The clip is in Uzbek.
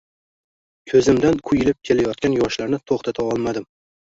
Ko`zimdan quyilib kelayotgan yoshlarni to`xtata olmadim